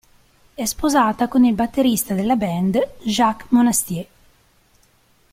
È sposata con il batterista della band, Jacques Monastier.